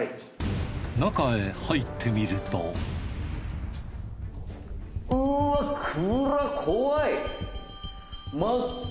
中へ入ってみるとうわくらっ怖い。